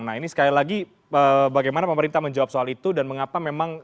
nah ini sekali lagi bagaimana pemerintah menjawab soal itu dan mengapa memang